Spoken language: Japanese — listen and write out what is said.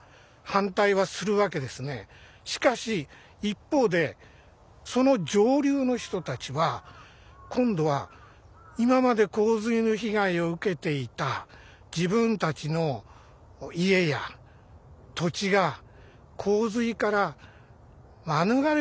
しかし一方でその上流の人たちは今度は今まで洪水の被害を受けていた自分たちの家や土地が洪水から免れることができる。